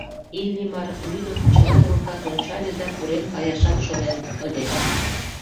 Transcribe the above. Иллимар, лӱдын, чыла велкат ончале да пурен каяшат шонен ыле.